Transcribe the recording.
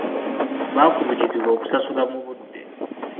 Baakubirizibwa okusasula mu budde.